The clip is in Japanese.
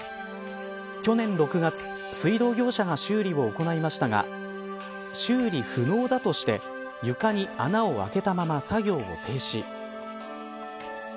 去年６月水道業者が修理を行いましたが修理不能だとして床に穴を開けたまま作業を停止。